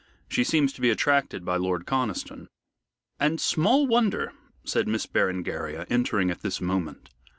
She seems to be attracted by Lord Conniston." "And small wonder," said Miss Berengaria, entering at this moment.